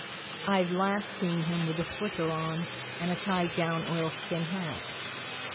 (I'd seen him last with a slicker on and a tied down oilskin hat.)